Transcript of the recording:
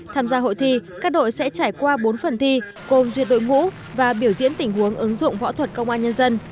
tham gia hội thi các đội sẽ trải qua bốn phần thi gồm duyệt đội ngũ và biểu diễn tình huống ứng dụng võ thuật công an nhân dân